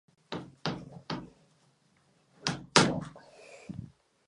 Vláda měla totožné složení jako předchozí v době demise.